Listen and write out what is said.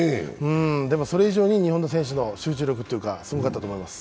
でも、それ以上に日本の選手の集中力というかすごかったと思います。